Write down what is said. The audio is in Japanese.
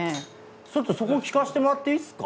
ちょっとそこ聞かせてもらっていいですか？